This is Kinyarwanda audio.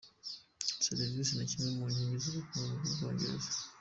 Serivisi ni kimwe mu nkingi y’ubukungu bw’u Bwongereza.